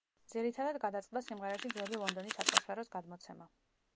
ძირითადად, გადაწყდა სიმღერაში ძველი ლონდონის ატმოსფეროს გადმოცემა.